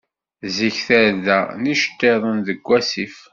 Zik, tarda n yicettiḍen seg wasif.